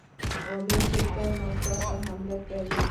غوماشې تل ناڅاپي حمله کوي.